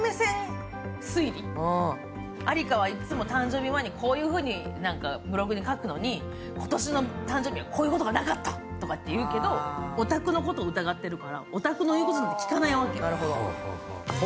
アリカはいつも誕生日前はこういうふうにブログに書くのに今年の誕生日はこういうことがなかったっていうけどオタクのこと疑ってるからオタクの言うことは聞かないわけ。